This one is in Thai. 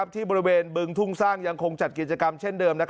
ที่บริเวณบึงทุ่งสร้างยังคงจัดกิจกรรมเช่นเดิม